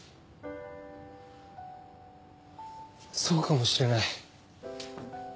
そうかもしれない。